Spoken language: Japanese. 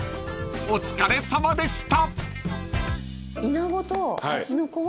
［お疲れさまでした］